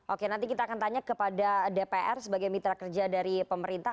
oke nanti kita akan tanya kepada dpr sebagai mitra kerja dari pemerintah